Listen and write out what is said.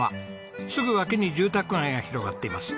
すぐ脇に住宅街が広がっています。